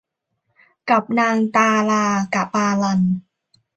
กับนางตาลากะปาลัน